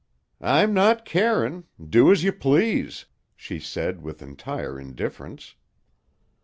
"I'm not carin'. Do as you please," she said with entire indifference.